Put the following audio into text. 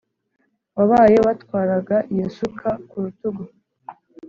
wabaye watwaraga iyo suka ku rutugu